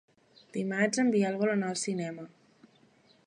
Dimarts en Biel vol anar al cinema.